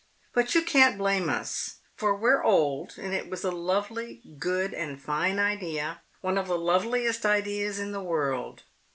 But you can't blame us, for we're old, and it was a lovely, good and fine idea, one of the loveliest ideas in the world.